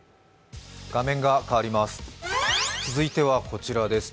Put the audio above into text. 続いてはこちらです。